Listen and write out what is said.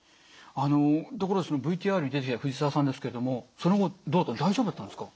ところでそのＶＴＲに出てきた藤沢さんですけれどもその後どうだった大丈夫だったんですか？